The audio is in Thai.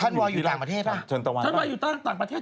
ท่านวอลอยู่ต่างประเทศครับท่านวอลอยู่ต่างประเทศเถอะ